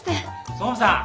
総務さん！